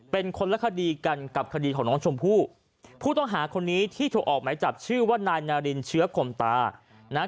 เป็นคนละคดีกันกับคดีของน้องชมพู่ผู้ต้องหาคนนี้ที่ถูกออกหมายจับชื่อว่านายนารินเชื้อคมตานะ